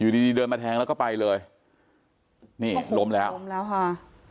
ดีดีเดินมาแทงแล้วก็ไปเลยนี่ล้มแล้วล้มแล้วค่ะ